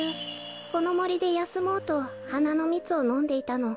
このもりでやすもうとはなのみつをのんでいたの。